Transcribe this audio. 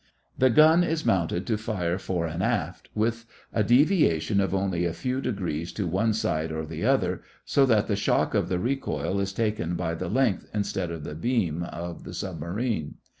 The gun is mounted to fire fore and aft, with a deviation of only a few degrees to one side or the other, so that the shock of the recoil is taken by the length instead of the beam of the submarine.